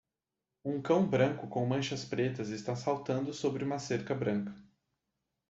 Um cão branco com manchas pretas está saltando sobre uma cerca branca.